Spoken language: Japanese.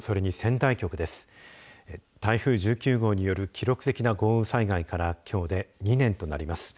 台風１９号による記録的な豪雨災害からきょうで２年となります。